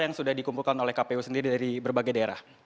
yang sudah dikumpulkan oleh kpu sendiri dari berbagai daerah